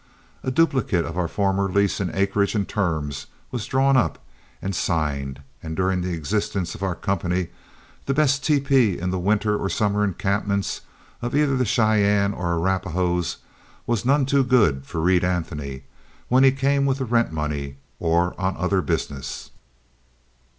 A duplicate of our former lease in acreage and terms was drawn up and signed; and during the existence of our company the best teepee in the winter or summer encampments, of either the Cheyennes or Arapahoes, was none too good for Reed Anthony when he came with the rent money or on other business.